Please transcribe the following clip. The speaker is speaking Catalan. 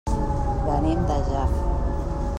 Venim de Jafre.